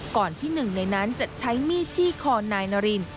ที่หนึ่งในนั้นจะใช้มีดจี้คอนายนาริน